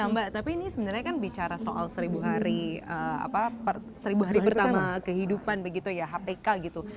mbak tapi ini sebenarnya kan bicara soal seribu hari pertama kehidupan begitu ya hpk gitu